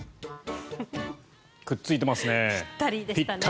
くっついてますね。